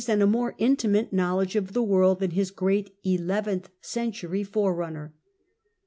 179 and a more intimate knowledge of the world than his great eleventh century forerunner.